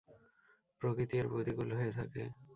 প্রকৃতিই এর প্রতিকূল হয়ে থাকে।